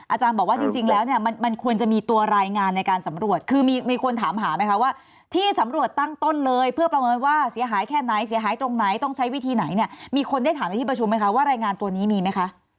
อาจารย์บอกว่าจริงแล้วเนี่ยมันควรจะมีตัวรายงานในการสำรวจคือมีคนถามหาไหมคะว่าที่สำรวจตั้งต้นเลยเพื่อประเมินว่าเสียหายแค่ไหนเสียหายตรงไหนต้องใช้วิธีไหนเนี่ยมีคนได้ถามในที่ประชุมไหมคะว่ารายงานตัวนี้มีไหมคะ